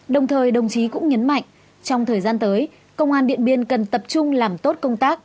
đồng thời đồng chí cũng nhấn mạnh trong thời gian tới công an điện biên cần tập trung làm tốt công tác